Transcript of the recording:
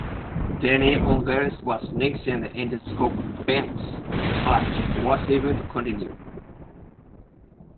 Danny Ongais was next in the Interscope Penske, but was able to continue.